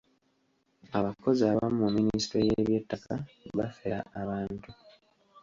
Abakozi abamu mu minisitule y’eby'ettaka bafera abantu.